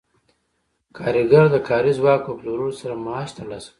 کارګر د کاري ځواک په پلورلو سره معاش ترلاسه کوي